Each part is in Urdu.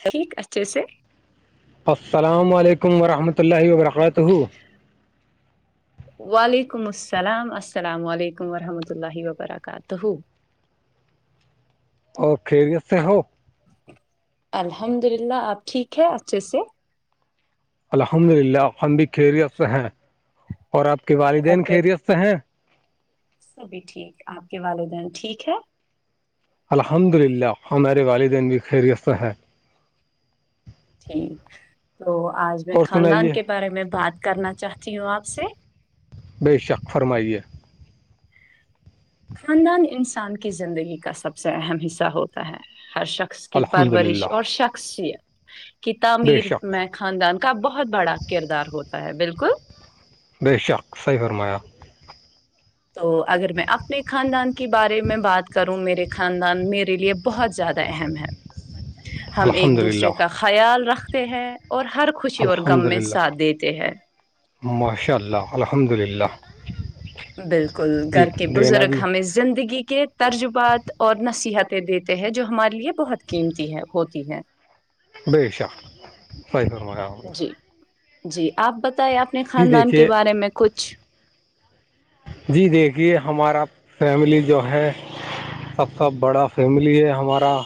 ٹھیک ا چ سر السلام علیکم ورحمۃ اللہ وبرکاتہ [unintelligible] [inaudible] وعلیکم السلام السلام علیکم ورحمۃ اللہ وبرکاتہ [unintelligible] [inaudible] اور خیریت سے ہو الحمد للہ آپ ٹھیک ہے اچھے سے الحمد للہ ہمم بھی خیریت سے ہیں اور آپ کے گھر والدین پہ خیریت سے ہیں سبھی ٹھیک آپ کے والدین ٹھیک ہے الحمد للہ ہمارے والدین بھی خیریست ہیں ٹھیک تو آج میں اور خاندان سنائیے کے بارے میں بات کرنا چاہتی ہوں آپ سے بے شک فرمائیے خاندان انسان کی زندگی کا سب سے اہم حصہ ہوتا ہے ہر شخص کی الحمد پرورش للہ اور شخصیت کی بے تعمیر شک میں خاندان کا بہت بڑا کردار ہوتا ہے بالکل بے شک صحیح فرمایا تو اگر میں اپنے خاندان کے بارے میں بات کروں میرے خاندان میرے لیے بہت زیادہ اہم ہے ہم الحمد ایک دوسرے للہ کا خیال رکھتے ہیں اور ہر خوشی اور الحمد غم میں للہ ساتھ دیتے ہیں ماشاء اللہ الحمد للہ بالکل جی گھر کے دینا بزرگ بھی ہ زندگی کے ترجبات اور نصیحتیں دیتے ہیں جو ہمارے لیے بہت قیمتی ہے ہوتی ہے [inaudible] بیےشا صائی فما جی جی آپ بتائے آپنے جی خاندان دیکھیے کے بارے میں کچھ جی دیکھیے ہمارا فیملی جو ہے سب سے بڑا فیملی ہے ہمارا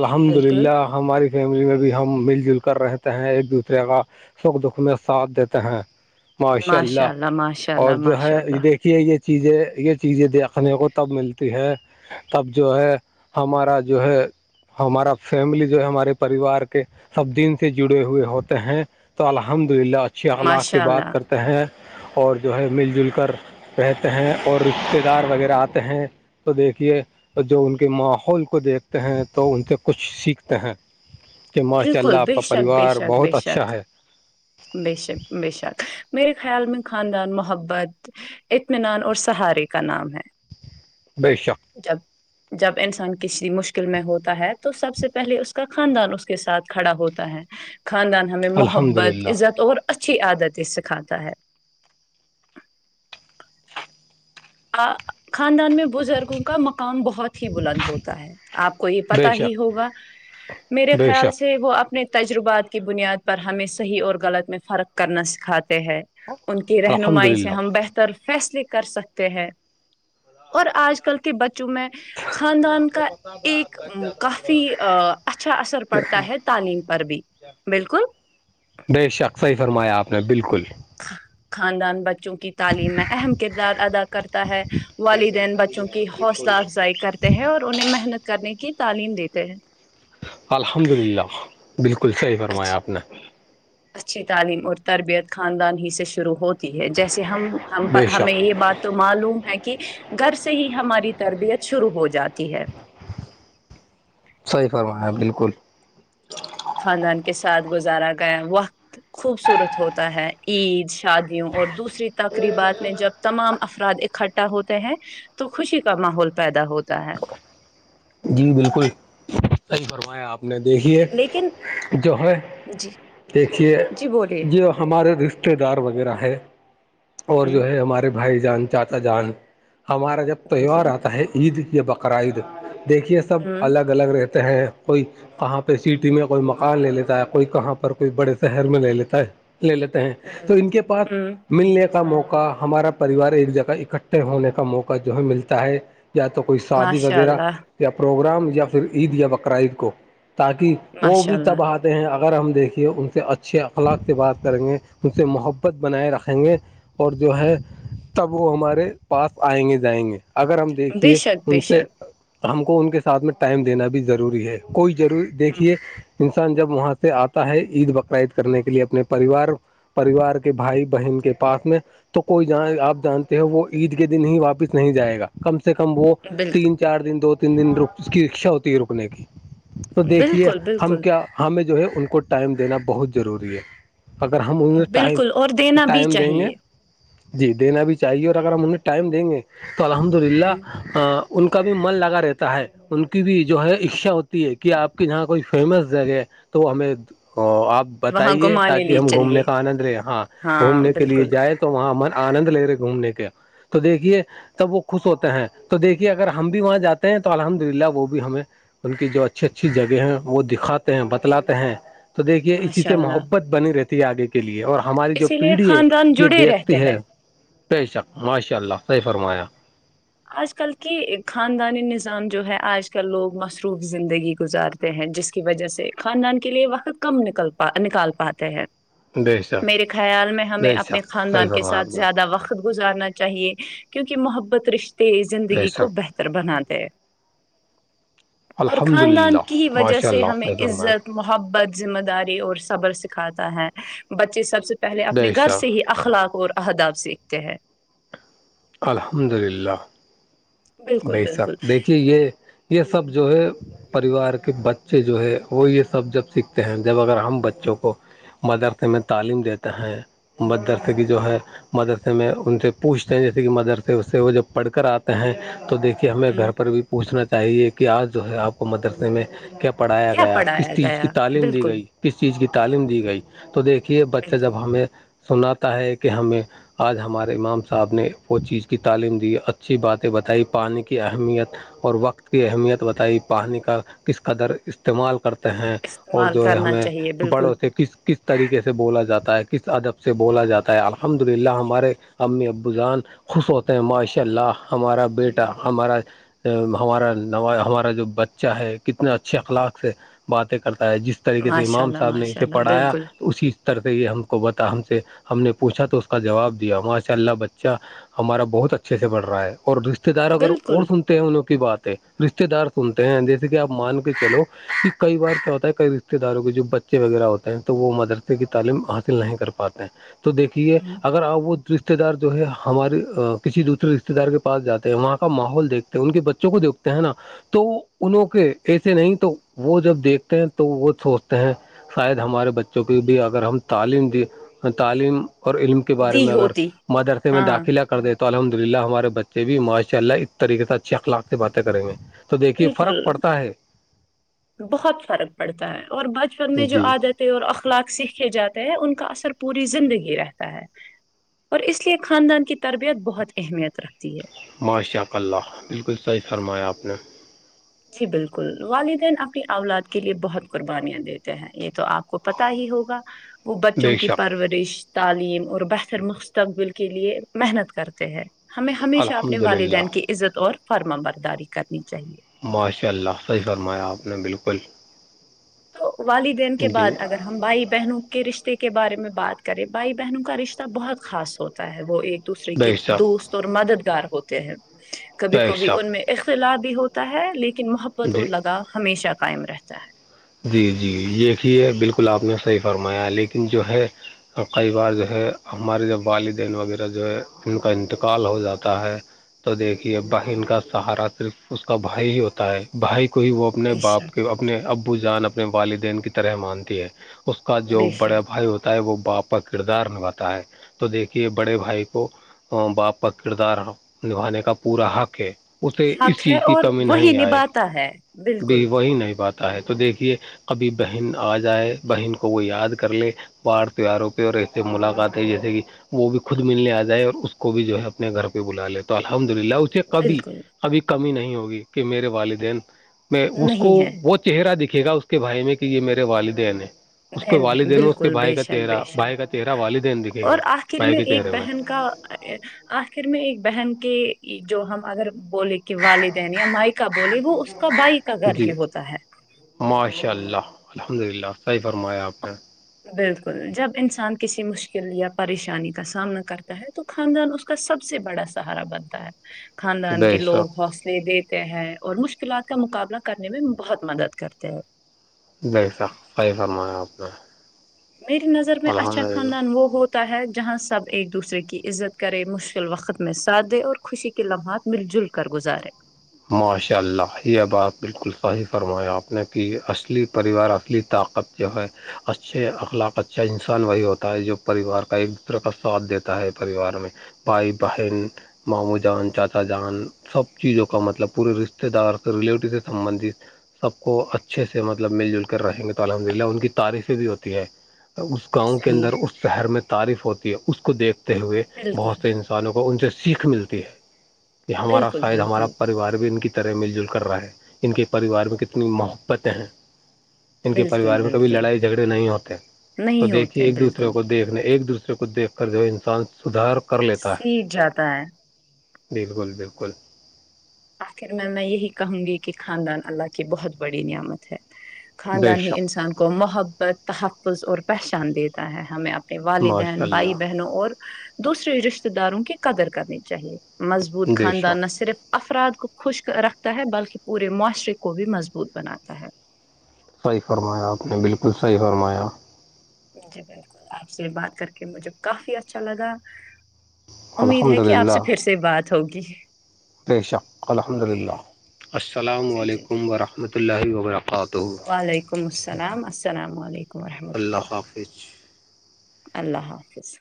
الحمد بالکل للہ ہماری فیملی میں بھی ہم مل جل کر رہتے ہیں ایک دوسرے کا سکھ دکھ میں ساتھ دیتے ہیں ماشاء اللہ ماشاء اللہ اور جو ماشاء ہے یہ اللہ دیکھیے یہ چیزیں یہ چیزیں دیکھنے کو تب ملتی ہے تب جو ہے ہمارا جو ہے ہمارا فیملی جو ہے ہمارے پریوار کے سب دن سے جڑے ہوئے ہوتے ہیں تو الحمد للہ اچھے اخلاق سے ماشاء بات اللہ کرتے ہیں اور جو ہے مل جل کر رہتے ہیں اور رشتے دار وغیرہ آتے ہیں تو دیکھیے جو ان کے ماحول کو دیکھتے ہیں تو ان سے کچھ سیکھتے ہیں کہ ماشاء اللہ بالکل آپ بے کا شک بے پریوار شک بے بہت شک اچھا ہے بے شک بے شک میرے خیال میں خاندان محبت اطمینان اور سہارے کا نام ہے بی شک جب جب انسان کسی مشکل میں ہوتا ہے تو سب سے پہلے اس کا خاندان اس کے ساتھ کھڑا ہوتا ہے خاندان ہمیں الحمد محبت للہ عزت اور اچھی عادتیں سکھاتا ہے خاندان میں بزرگوں کا مقام بہت ہی بلند ہوتا ہے آپ کو یہ بے پتا ہی شک ہوگا میرے بے خیال شک سے وہ اپنے تجربات کی بنیاد پر ہمیں صحیح اور غلط میں فرق کرنا سکھاتے ہے ان کی الحمد رہنمائی سے للہ ہم بہتر فیصلے کر سکتے ہیں اور آج ک کے بچوں میں خاندان کا ایک کافی اچھا اثر پڑتا ہے تعلیم پر بھی بالکل بے شک صحیح فرمایا آپ نے بالکل خاندان بچوں کی تعلیم میں اہم کردار ادا کرتا ہے والدین بچوں کی حوصلہ افزائی کرتا ہیں اور انہیں محنت کرنے کی تعلیم دیتے ہیں الحمد للہ بالکل صحیح فرمایا اچ آپ نے اچھی تعلیم اور تربیت خاندان ہی سے شروع ہوتی ہے جیسے ہم بے ہمیں شک یہ بات تو معلوم ہے کہ گھر سے ہی ہماری تربیت شروع ہو جاتی ہے صحیح فرمایا بالکل خاندان کے ساتھ گزارا گیا وقت خوبصورت ہوتا ہے عید شادیوں اور دوسری تقریبات میں جب تمام افراد اکٹھا ہوتے ہیں تو خوشی کا ماحول پیدا ہوتا ہے جی بالکل صحیح فرمایا آپ نے دیکھیے لیکن جو ہے جی دیکھیے جی بولیے جو ہمارے رشتے دار وغیرہ ہے اور ہوں جو ہے ہمارے بھائی جان چاچا جان ہمارا جب تہوار بالکل آتا ہے عید یا بقر عید دیکھیے سب ہوں الگ الگ رہتے ہیں کوئی کہاں پہ سٹی میں کوئی مکان لے لیتا ہے کوئی کہاں پر کوئی بڑے شہر میں لے لیتا ہے لے لیتے ہیں تو بالکل ان کے پاس ہوں ملنے کا موقع ہمارا پریوار ایک جگہ اکٹھے ہونے کا موقع جو ہے ملتا ہے یا تو کوئی شادی ماشاء وغیرہ اللہ یا پروگرام یا پھر عید یا بقرعید کو تاکہ وہ ماشاء بھی اللہ تبہات ہیں اگر ہم دیکھیے ان سے اچھے اخلاق سے بات کریں گے ان سے محبت بنائے رکھیں گے اور جو ہے تب وہ ہمارے پاس آئیں گے جائیں گے اگر ہم بے دیکھیے شک بے ان سے شک ہم کو ان کے ساتھ میں ٹائم دینا بھی ضروری ہے کوئی ضروری ہوں، دیکھیے انسان جب وہاں سے آتا ہے عید بقر عید کرنے کے لیے اپنے پریوار پریوار کے بھائی بہن کے پاس میں تو کوئی ج آپ جانتے ہو وہ عید کے دن ہی واپس نہیں جائے گا کم سے کم وہ بالکل تین چار دن دو تین دن ر اس کی اکشا ہوتی ہے رکنے کی تو دیکھیے بالکل ہم بالکل کیا ہمیں جو ہے ان کو ٹائم دینا بہت ضروری ہے اگر ہم انہیں ٹائم بالکل اور دینا بھی ٹائم دیں گے چاہیے جی دینا بھی چاہیے اور اگر ہم انہیں ٹائم دیں گے تو الحمد للہ ہوں، ان کا بھی من لگا رہتا ہے ان کی بھی جو ہے اچھا ہوتی ہے کہ آپ کے یہاں کوئی فیمس جگہ تو ہمیں آپ وہاں بتائیے گھمانے تاکہ لیے ہم چلیے گھومنے کا آنند رہیں ہاں گھومنے کے لیے جائ تو تو وہاں من آنند لے رہے گھومنے کا تو دیکھیے تب وہ خوش ہوتے ہیں تو دیکھیے اگر ہم بھی وہاں جاتے ہیں تو الحمد للہ وہ بھی ہمیں ان کی جو اچھی اچھی جگہیں ہیں وہ دکھاتے ہیں بتلاتے ہیں تو دیکھیے اسی ماشاء سے اللہ محبت بنی رہتی آگے کے لیے اور ہماری جو اسی لیے پیڑھی ہے خاندان یہ جڑے رہتے دیکھتی ہیں ہے بے شک ماشاء اللہ سحی فرمایا آج کل کی خاندانی نظام جو ہے آج کل لوگ مصروف زندگی گزارتے ہیں جس کی وجہ سے خاندان کے لیے وقت کم نکلا نکال پاتے ہیں بے شک میرے خیال میں ہمیں بے اپنے شک صحیح خاندان کے فرمایا آپ ساتھ نے زیادہ وقت خ گزارنا چاہیے کیونکہ محبت رشتے بے زندگی کو شک بہتر بنا دے اور الحمد خاندان للہ کی ہی وجہ ماشاء سے اللہ ہمیں صحیح فرمایا عزت محبت ذمہ داری اور صبر سکھاتا ہے بچے سب سے پہلے اپنے بے گھر سے شک ہی اخلاق اور اہداب سیکھتے ہیں الحمد للہ بالکل بسک بالکل دیکھیے یہ یہ سب جو ہے پریوار کے بچے جو ہے وہ یہ سب جب سیکھتے ہیں جب اگر ہم بچوں کو مدرسے میں تعلیم دیتا ہیں مدرسے کی جو ہے مدرسے میں ان سے پوچھ جیسے کہ مدرسے اس سے وہ جب پڑھ کر آتے ہیں تو دیکھیے ہمیں گھر پر بھی پوچھنا چاہیے کہ آج جو ہے آپ کو مدرسے میں کیا پڑھایا کیا گیا کس پڑھایا چیز کی گیا تعلیم دی بالکل گئی کس چیز کی تعلیم دی گئی تو دیکھیے بچہ بالکل جب ہمیں سناتا ہے کہ ہمیں آج ہمارے امام سے صاحب نے وہ چیز کی تعلیم دی اچھی باتیں بتائی پانی کی اہمیت اور وقت کی اہمیت بتائی پانی کا کس قدر استعمال کرتا ہیں اور استعمال جو ہے کرنا ہمیں چاہیے بالکل بڑوں سے کس کس طریقے سے بولا جاتا ہے کس ادب سے بولا جاتا ہے الحمد للہ ہمارے ا اب بذان خوش ہوتے ہیں ماشاء اللہ ہمارا بیٹا ہمارا ہمارا ہمارا جو بچہ ہے کتنے اچھے اخلاق سے باتیں کرتا ہے جس طریقے سے ماشاء امام اللہ صاحب نے ماشاء اسے اللہ پڑھایا بالکل اسی ر سے یہ ہم کو بتا ہم سے ہم نے پوچھا تو اس کا جواب دیا ماشاء اللہ ب ا ہمارا بہت اچھے سے بڑ رہا ہے اور رشتے دار اگر اور بالکل سن ہیں انوں کی باتیں رشتے دار سنتے ہیں جیسے کہ آپ مان کے چلو کہ کئی بار کیا ہوتا ہے کئی رشتے رشتے داروں کے جو بچے وغیرہ ہوتے ہیں تو وہ مدرسے کی تعلیم حاصل نہیں کر پاتے ہیں تو دیکھیے ہم، اگر آپ وہ رشتے دار جو ہے ہمارے کسی دوسے رشتے دار کے پاس جاتے ہیں وہاں کا ماحول دیکھتے ہیں ان کے بچوں کو دیکھتے ہیں نا تو انوں کے ایسے نہیں تو وہ جب دیکھتے ہیں تو وہ سوچتے ہیں شاید ہمارے بچوں کی بھی اگر ہم تعلیم دی تعلیم اور علم کے بارے دی میں اگر ہوتی مدرسے میں ہاں داخلہ کر دیتے اس طریقے سے اچھے اخلاق سے باتیں کریں گے تو دیکھیے بالکل فرق پڑتا ہے بہت فرق پڑتا ہے اور بچپن میں جو جی عادت اور اخلاق سیکھے جاتے ہیں ان کا اثر پوری زندگی رہتا ہے اور اس لیے خاندان کی تربیت بہت اہمیت رکھتی ہے ماشاء اللہ بالکل صحیح فرمایا آپ نے جی بالکل والدین اپنی اولاد کے لیے بہت قربانیاں دیتے ہیں یہ تو آپ کو پ ہی ہوگا وہ بچوں بے کی شک پرورش تعلیم اور بہتر مستقبل کے لیے محنت کرتے ہیں ہمیں ہمیشہ اپنے الحمد للہ والدین کی عزت اور فرما برداری کرنی چاہیے ماشاء اللہ صحیح فرمایا آپ نے بالکل تو والددین کے بعد جی اگر ہم بھائی بہنوں کے رشتے کے بارے میں بات کریں بھائی بہنوں کا رشتہ بہت خاص ہوتا ہے وہ ایک دوسرے کے بے شک دوست اور مددگار ہوتے ہیں کبھی بے کبھی شک ان میں اختلاف بھی ہوتا ہے لیکن محبت اور جی لگاؤ ہمیشہ قائم رہتا ہے جی جی دیک ہی ہے بالکل آپ نے صحیح فرمایا ہے لیکن جو ہے اور کئی بار جو ہے ہمارے جوب والدین وغیرہ جو ہے ان کا انتقال ہو جاتا ہے تو دیکھیے بہن کا سہارا صرف اس کا بھائی ہی ہوتا ہے بھائی کو ہی وہ اپنے بے باپ کے شک اپنے ابو جان اپنے والدین کی طرح مانتی ہے اس کا جو بے شک بڑے بھائی ہوتا ہے وہ باپا کردار نبھاتا ہے تو دیکھیے بڑے بھائی کو باپ کا کردار نبھانے کا پورا حق ہے اسے اس حق ہے چیز کی اور کمی وہی نہیں آئے نبھاتا ہے بالکل بھی وہی نہیں پاتا ہے تو دیکھیے کبھی بہن آ جائے بہن کو وہ یاد کر لے باڑھ پیواروں پہ اور ایس سے ملاقات ہے جیسے کہ وہ بھی خود ملنے آ جائے اور اس کو بھی جو ہے اپنے گھر بلا لے تو الحمد للہ اسے کبھی بالکل کبھی کمی نہیں ہوگی کہ میرے والدین میں اس کو نہیں ہے وہ چہرہ دکھے گا اس کے بھائی میں کہ یہ میرے والدین ہیں اس کے بہن ہے والدین میں اس کے بالکل بھائی بے کا شک چہرہ بے بھائی شک کا چہرہ والدین دکھیں گے اور آخر بھائی کے ایک چہرے میں بہن کا آخر میں ایک بہن کے جو ہم اگر بولے کہ والدین یا مائکا بول وہ اس کا بھائی کا گھر جی ہی ہوتا ہے ماشاء اللہ الحمد للہ صحیح فرمایا آپ نے بالکل جب انسان کسی مشکل یا پریشانی کا سامنا کرتا ہے تو خاندان اس کا سب سے بڑا سہارا بنتا ہے خاندان بے کے لوگ شک حوصلے دیتے ہیں اور مشکلات کا مقابلہ کرنے میں بہت مدد کرتے ہیں جیسا خیفمایا آپنا میری نظر میں اچھا خاندان وہ ہو ہے جہاں سب ایک دوسرے کی عزت کرے مشکل وقت میں ساتھ دے اور خوشی کے کے لمحات مل جل کر گزارے ماشاء اللہ یہ بات بالکل صحیح فرمایا آپ نے کہ اصلی پریوار اصلی طاقت جو ہے اچھے اخلاق اچھا انسان وہی ہوتا ہے جو پریوار کا ایک دوسرے کا ساتھ دیتا ہے پریوار میں بھائی بہن ماموں جان چاچا جان سب چیزوں کو کا مطلب پورے رشتے دار سے ریلیٹیو سے سبندت سب کو اچھے سے مطلب مل جل کر رہیں گے تو الحمد للہ ان کی تعریفیں بھی ہوتی ہے اس گاؤں کے صحیح اندر اس شہر میں تعریف ہوتی ہے اس کو دیکھتے ہوئے بالکل بہت سے وں کو ان سے سیکھ ملتی ہے کہ ہمارا بالکل شاید ہمارا بالکل ریوار بھی ان کی طرح مل جل کر رہا ہے ان کے پریوار میں کتنی محبتیں ہیں ان کے بالکل پریوار میں کبھی بالکل لڑائی جھگڑے نہیں ہوتے تو نہیں دیکھیے ہوتے ایک دوسرے بالکل کو دیکھنے ایک دوسرے کو دیکھ کر جو انسان سدھار کر لیتا ہے سیکھ جاتا ہے بالکل بالکل آخر میں میں یہی کہوں گی کہ خاندان اللہ کی بہت بڑی نعمت ہے بے خاندان ہی شک انسان کو محبت تحفظ اور پہچان دیتا ہے ہمیںپ نے والدین ماشاء بھائی اللہ بہنوں اور دوسرے رشتے داروں کی قدر کرنی چاہیے مضبوط بے خاندان نہ شک صرف افراد کو خشک رکھتا ہے بلکہ پورے معاشرے کو بھی مضبوط بناتا ہے صحیح فرمایا آپ نے بالکل صحیح فرمایا جی بالکل آپ سے بات کر کے مجھے کافی اچھا لگا امید الحمد ہے کہ آپ سے للہ پھر سے بات ہوگی بے شک الحمد ل اللہ السلام جی جی علیکم ورحمۃ اللہ وبرکاتہ وعلیکم السلام السلام علیکم وورحمۃ اللہ ال حافظ اللہ حافظ